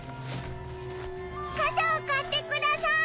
かさを買ってくださーい！